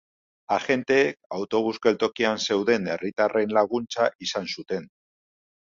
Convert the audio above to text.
Agenteek autobus-geltokian zeuden herritarren laguntza izan zuten.